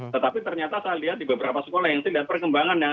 tetapi ternyata saya lihat di beberapa sekolah yang saya lihat perkembangan